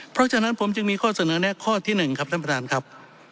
เพราะฉะนั้นผมจึงมีข้อเสนอแนะข้อที่๑ครับท่านประธานครับ